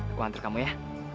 aku antar kamu ya